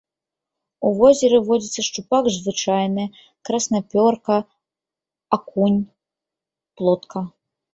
У возеры водзяцца шчупак звычайны, краснапёрка, акунь, плотка.